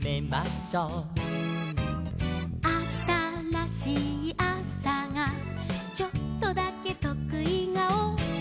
「あたらしいあさがちょっとだけとくい顔」